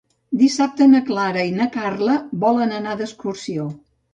Dissabte na Clara i na Carla volen anar d'excursió.